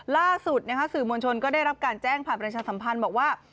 ล่าสุดสื่อมวลชนก็ได้รับการแจ้งผ่านประชาสัมพันธ์บอกว่า